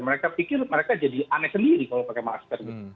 mereka pikir mereka jadi aneh sendiri kalau pakai masker gitu